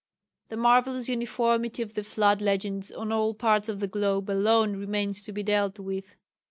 The marvellous uniformity of the flood legends on all parts of the globe, alone remains to be dealt with.